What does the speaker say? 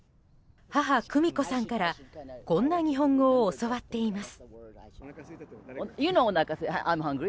母・久美子さんからこんな日本語を教わっています。